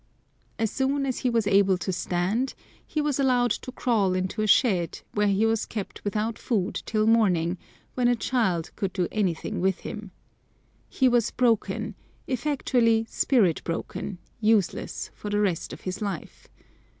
As soon as he was able to stand, he was allowed to crawl into a shed, where he was kept without food till morning, when a child could do anything with him. He was "broken," effectually spirit broken, useless for the rest of his life.